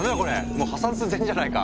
もう破産寸前じゃないか！